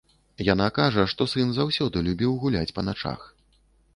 Яна кажа, што сын заўсёды любіў гуляць па начах.